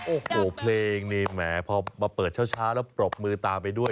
โอ้โหเพลงนี่แหมพอมาเปิดเช้าแล้วปรบมือตามไปด้วย